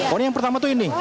oh ini yang pertama tuh ini